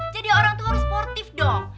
jadi orang itu harus sportif dong